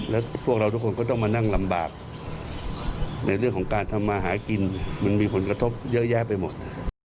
แล้วพวกเราทุกคนก็ต้องมานั่งลำบากในเรื่องของการทำมาหากินมันมีผลกระทบเยอะแยะไปหมด